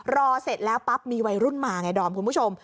เสร็จแล้วปั๊บมีวัยรุ่นมาไงดอมคุณผู้ชม